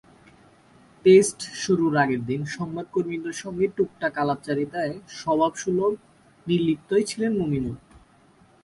Test শুরুর আগের দিন সংবাদকর্মীদের সঙ্গে টুকটাক আলাপচারিতায় স্বভাবসুলভ নির্লিপ্তই ছিলেন মুমিনুল।